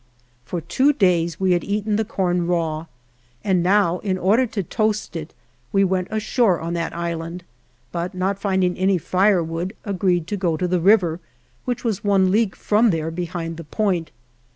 For two days we had eaten the corn raw, and now, in order to toast it, we went ashore on that island, but not find ing any firewood, agreed to go to the river, which was one league from there behind the point.